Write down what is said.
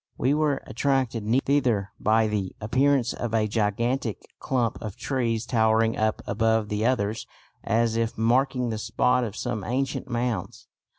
We were attracted thither by the appearance of a gigantic clump of trees towering up above the others as if marking the spot of some ancient mounds.